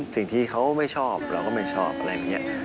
สิ่งที่เขาไม่ชอบเราก็ไม่ชอบอะไรอย่างนี้